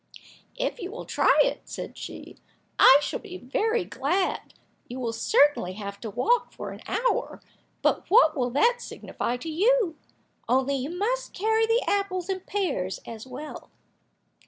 "If you will try it," said she, "I shall be very glad. You will certainly have to walk for an hour, but what will that signify to you; only you must carry the apples and pears as well?"